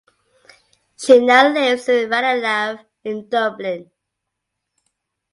She now lives in Ranelagh in Dublin.